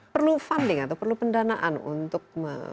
perlu funding atau perlu pendanaan untuk